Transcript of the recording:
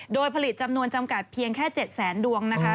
โดยผลิตจำนวนจำกัดเพียงแค่๗แสนดวงนะคะ